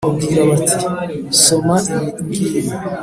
bamubwira bati «Soma ibi ngibi»,